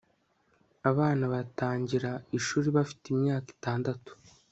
Abana batangira ishuri bafite imyaka itandatu